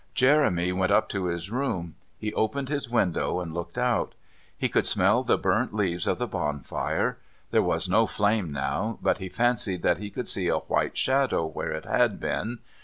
Jeremy went up to his room. He opened his window and looked out. He could smell the burnt leaves of the bonfire. There was no flame now, but he fancied that he could see a white shadow where it had been.